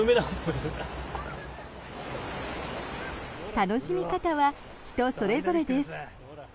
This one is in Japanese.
楽しみ方は人それぞれです。